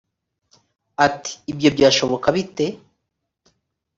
ati ibyo byashoboka bite